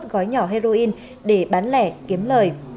ba mươi một gói nhỏ heroin để bán lẻ kiếm lời